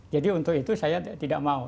jadi untuk itu saya tidak mau